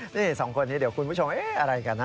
นี่สองคนคุณผู้ชมว่าอะไรกันน่ะ